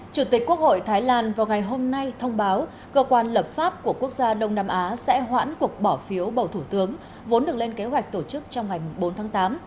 chủ tịch quốc hội thái lan vào ngày hôm nay thông báo cơ quan lập pháp của quốc gia đông nam á sẽ hoãn cuộc bỏ phiếu bầu thủ tướng vốn được lên kế hoạch tổ chức trong ngày bốn tháng tám